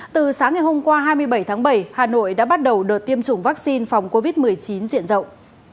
từ sáng ngày hôm qua hai mươi bảy tháng bảy hà nội đã bắt đầu đợt tiêm chủng vaccine phòng covid một mươi chín diện rộng